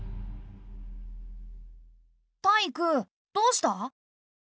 タイイクどうした？